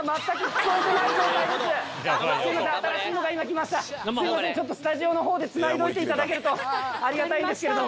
すいませんスタジオのほうでつないどいていただけるとありがたいんですけれど。